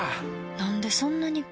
なんでそんなに